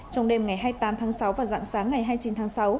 trong đêm ngày hai mươi tám tháng sáu và dạng sáng ngày hai mươi chín tháng sáu